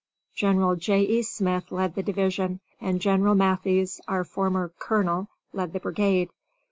General J. E. Smith led the division, and General Matthies, our former colonel, led the brigade.